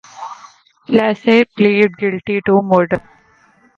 Lynch pleaded guilty to murder.